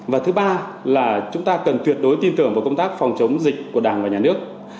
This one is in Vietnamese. và thứ ba là chúng ta cần tuyệt đối tin tưởng vào công tác phòng chống dịch của đảng và nhà nước